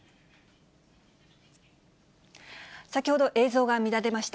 先ほど、映像が乱れました。